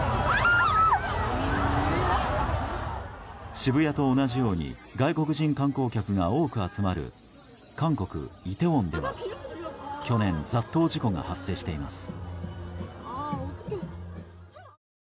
渋谷と同じように外国人観光客が多く集まる韓国イテウォンでは去年、雑踏事故が発生しています。